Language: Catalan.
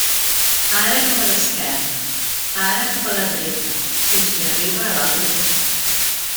Ara cap a l'esquerra, ara cap a la dreta, fins que arriba a l'altre costat.